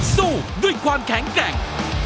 สู้ด้วยความแข็งแกร่ง